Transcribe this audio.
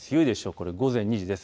これは午前２時です。